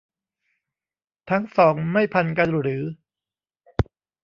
ทั้งสองไม่พันกันหรือ